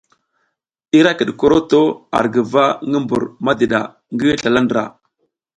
I ra kiɗ koroto ar guva ngi mbur madiɗa ngi slala ndra.